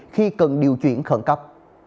khi cần điều chuyển khẩn cấp